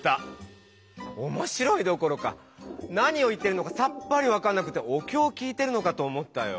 おもしろいどころか何を言ってるのかさっぱり分からなくておきょう聞いてるのかと思ったよ。